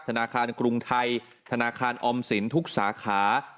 ธนาคารกรุงไทยธนาคารออมสินทุกสาขา